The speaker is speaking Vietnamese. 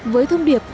với thông điệp